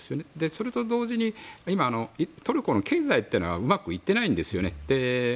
それと同時に今、トルコの経済はうまくいっていないんですね。